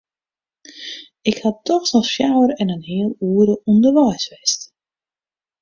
Ik ha dochs noch fjouwer en in heal oere ûnderweis west.